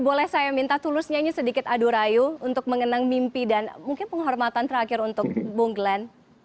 boleh saya minta tulus nyanyi sedikit adu rayu untuk mengenang mimpi dan mungkin penghormatan terakhir untuk bung glenn